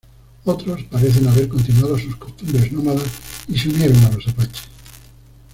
Otros parecen haber continuado sus costumbres nómadas y se unieron a los Apache.